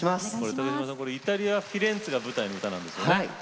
イタリアフィレンツェが舞台の曲なんですよね。